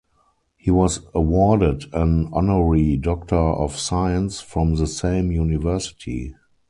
He was awarded an honorary Doctor of Science from the same university.